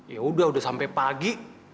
yaudah udah sampe pagi